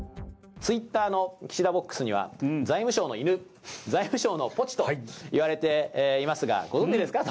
ツイッターの岸田ボックスには、財務省の犬、財務省のポチと言われていますが、ご存じですかと。